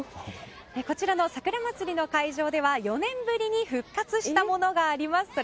こちらのさくら祭の会場では４年ぶりに復活したものがあります。